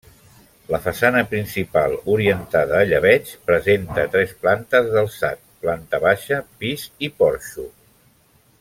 La façana principal, orientada a llebeig, presenta tres plantes d’alçat: planta baixa, pis i porxo.